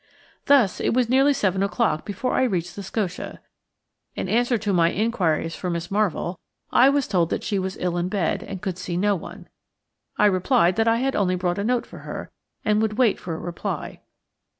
Thus it was nearly seven o'clock before I reached the Scotia. In answer to my inquiries for Miss Marvell, I was told that she was ill in bed and could see no one. I replied that I had only brought a note for her, and would wait for a reply.